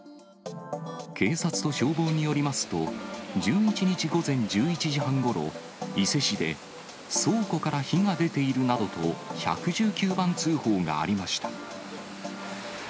警察と消防によりますと、１１日午前１１時半ごろ、伊勢市で、倉庫から火が出ているなどと１１９番通報がありました。